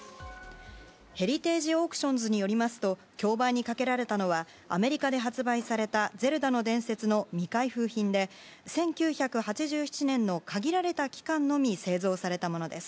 ヘリテージ・オークションズによりますと競売にかけられたのはアメリカで発売された「ゼルダの伝説」の未開封品で１９８７年の限られた期間のみ製造されたものです。